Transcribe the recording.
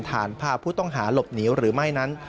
ฐานพาผู้ต้องหาหลบหนีหรือไม่นั้น